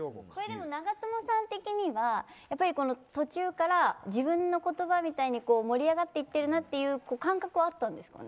長友さん的には途中から自分の言葉みたいに盛り上がって言ってるなという感覚はあったんですかね。